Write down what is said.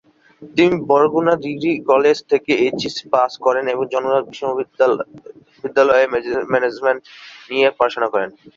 তিনি Barguna degree college থেকে HSC pass করেন এবং জগন্নাথ বিশ্ববিদ্যালয়ে ম্যানেজমেন্ট নিয়ে পড়াশোনা করেন।